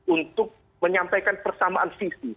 untuk menyampaikan persamaan visi